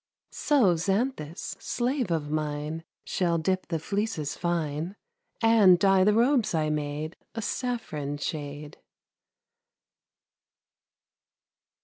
So, Zanthis, slave of mine, Shall dip the fleeces fine, And dye the robes I made A saffron shade.